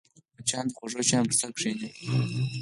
مچان د خوږو شیانو پر سر کښېني